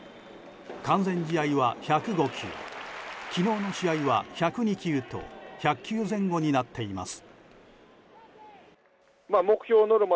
完全試合は１０５球昨日の試合は１０２球と１００球前後になっています。